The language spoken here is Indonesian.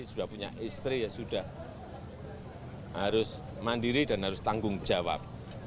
sudah punya istri ya sudah harus mandiri dan harus tanggung jawab